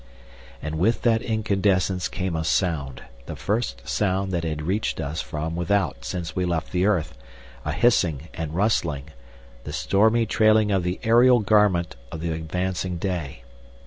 And with that incandescence came a sound, the first sound that had reached us from without since we left the earth, a hissing and rustling, the stormy trailing of the aerial garment of the advancing day.